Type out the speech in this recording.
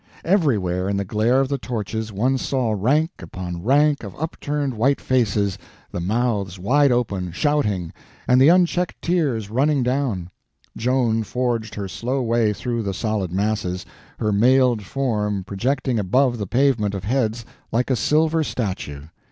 Everywhere in the glare of the torches one saw rank upon rank of upturned white faces, the mouths wide open, shouting, and the unchecked tears running down; Joan forged her slow way through the solid masses, her mailed form projecting above the pavement of heads like a silver statue.